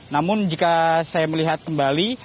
namun jika saya melihat kembali